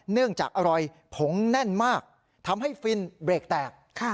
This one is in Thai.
เนื่องจากอร่อยผงแน่นมากทำให้ฟินเบรกแตก